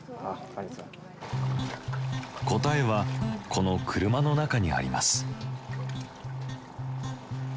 答えはこの車の中にあります。